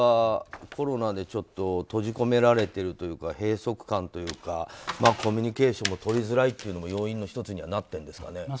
コロナで閉じ込められてるというか閉塞感というかコミュニケーションがとりづらいというのも要因の１つにはなってるんですかね。